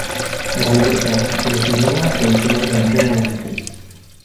Ryder Cup je týmová soutěž ve hře na jamky.